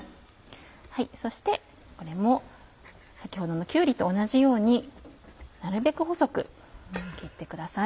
そしてこれも先ほどのきゅうりと同じようになるべく細く切ってください。